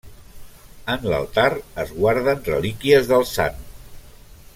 En l'altar es guarden relíquies del Sant.